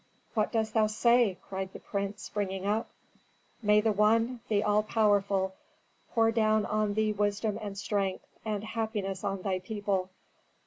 "What dost thou say?" cried the prince, springing up. "May the One, the All Powerful, pour down on thee wisdom and strength, and happiness on thy people."